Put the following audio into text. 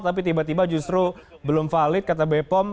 tapi tiba tiba justru belum valid kata bepom